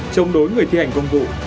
chống đối người thi hành công vụ